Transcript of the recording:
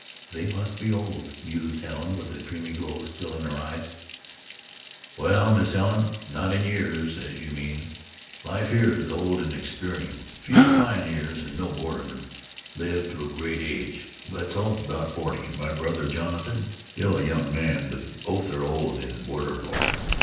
"They must be old," mused Helen, with a dreamy glow still in her eyes. "Well, Miss Helen, not in years, as you mean. Life here is old in experience; few pioneers, and no bordermen, live to a great age. Wetzel is about forty, and my brother Jonathan still a young man; but both are old in border lore."